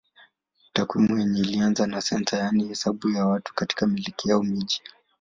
Takwimu yenyewe ilianza na sensa yaani hesabu ya watu katika milki au mji.